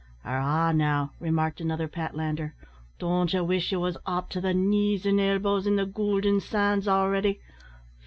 "Arrah, now," remarked another Patlander, "don't ye wish ye wos up to the knees and elbows in the goolden sands already?